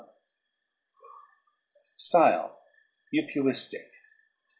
] _Style: Euphuistic.